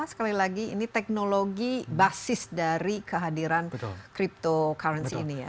sekali lagi ini teknologi basis dari kehadiran cryptocurrency ini ya